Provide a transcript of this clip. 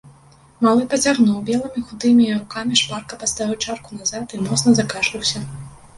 Малы пацягнуў, белымі худымі рукамі шпарка паставіў чарку назад і моцна закашляўся.